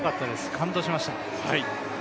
感動しました。